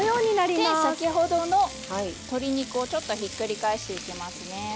先ほどの鶏肉をちょっとひっくり返していきますね。